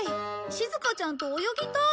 しずかちゃんと泳ぎたい。